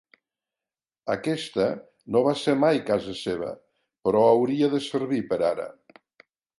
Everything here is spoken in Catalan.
Aquesta no va ser mai casa seva, però hauria de servir per ara.